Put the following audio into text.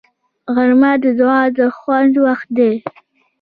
غرمه د دعا د خوند وخت دی